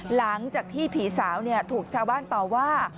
หลังจากที่ผีสาวถูกชาวบ้านต่อว่า